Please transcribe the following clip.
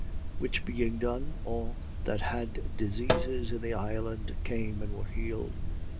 28:9. Which being done, all that had diseases in the island came and were healed.